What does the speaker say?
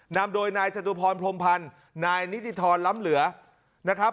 นำโดยนายจตุพรพรมพันธ์นายนิติธรล้ำเหลือนะครับ